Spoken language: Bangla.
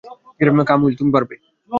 কাম অন, উইল, তুমি পারবে।